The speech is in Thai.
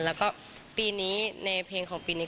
แล้วก็ปีนี้ในเพลงของปีนี้